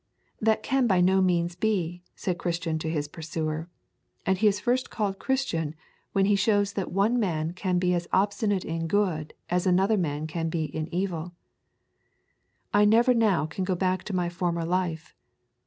'That can by no means be,' said Christian to his pursuer, and he is first called Christian when he shows that one man can be as obstinate in good as another man can be in evil. 'I never now can go back to my former life.'